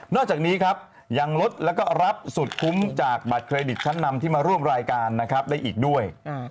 อกจากนี้ครับยังลดแล้วก็รับสุดคุ้มจากบัตรเครดิตชั้นนำที่มาร่วมรายการนะครับได้อีกด้วย